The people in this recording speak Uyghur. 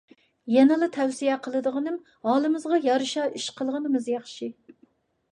يەنىلا تەۋسىيە قىلىدىغىنىم، ھالىمىزغا يارىشا ئىش قىلغىنىمىز ياخشى.